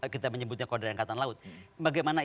kita menyebutnya kode angkatan laut bagaimana